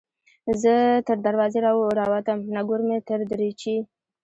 ـ زه تر دروازې راوتم نګور مې تر دريچې